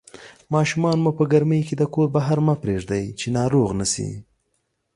ماشومان مو په ګرمۍ کې د کور بهر مه پرېږدئ چې ناروغ نشي